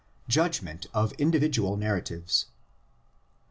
JUDGMENT OF INDIVIDUAL NARRATIVES.